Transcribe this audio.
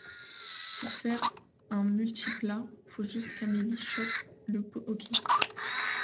Pour faire un Multipla, faut juste qu’Amélie chope le hoquet.